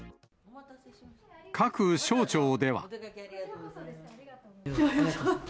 各省庁では。